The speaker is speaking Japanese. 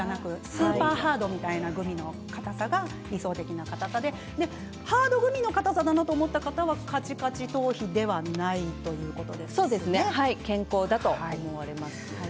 スーパーハードみたいなグミのかたさが理想的なかたさでハードグミだなと思った方はカチカチ頭皮ではない健康かと思われます。